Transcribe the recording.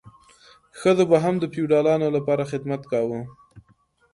ښځو به هم د فیوډالانو لپاره خدمت کاوه.